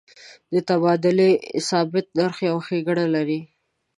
د تبادلې ثابت نرخ یو ښیګڼه لري.